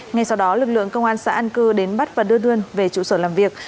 ngay sau đó lực lượng công an xã an cư đến bắt và đưa về trụ sở làm việc